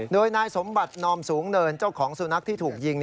โดยนายสมบัตินอมสูงเนินเจ้าของสุนัขที่ถูกยิง